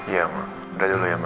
iya udah dulu ya mbak